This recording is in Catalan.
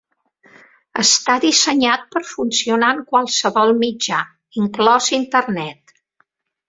Està dissenyat per funcionar en qualsevol mitjà, inclòs Internet.